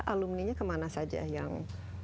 alumni nya kemana saja yang